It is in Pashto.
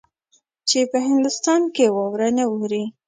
چې په هندوستان کې واوره نه اوري.